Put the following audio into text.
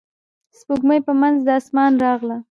سپوږمۍ په منځ د اسمان راغله.